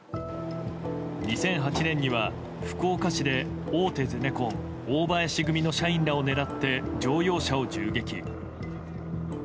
２００８年には、福岡市で大手ゼネコン大林組の社員らを狙って乗用車を銃撃。